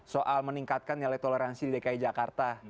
soal meningkatkan nilai toleransi di dki jakarta